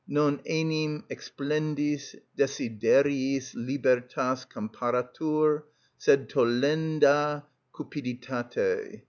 (_Non enim explendis desideriis libertas comparatur, sed tollenda cupiditate.